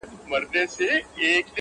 دوى به يو پر بل كوله گوزارونه-